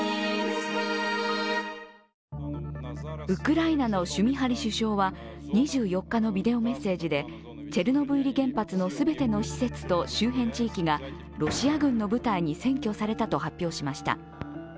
ウクライナのシュミハリ首相は２４日のビデオメッセージでチェルノブイリ原発の全ての施設と周辺地域がロシア軍の部隊に占拠されたと発表しました。